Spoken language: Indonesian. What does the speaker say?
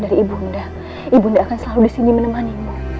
dari bunda bunda akan selalu disini menemani